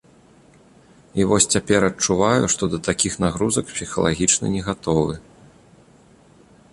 І вось цяпер адчуваю, што да такіх нагрузак псіхалагічна не гатовы.